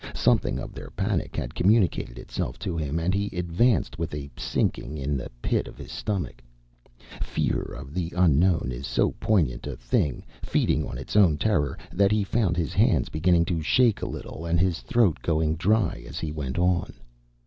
Something of their panic had communicated itself to him, and he advanced with a sinking at the pit of his stomach. Fear of the unknown is so poignant a thing, feeding on its own terror, that he found his hands beginning to shake a little and his throat going dry as he went on.